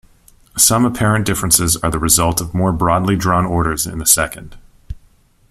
Some apparent differences are the result of more broadly drawn orders in the second.